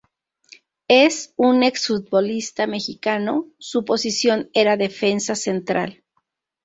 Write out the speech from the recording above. Es un exfutbolista mexicano su posición era defensa central.